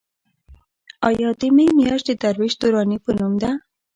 ایا د مې میاشت د درویش دراني په نوم ده؟